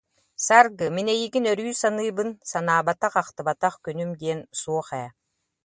Саргы, мин эйигин өрүү саныыбын, санаабатах-ахтыбатах күнүм диэн суох ээ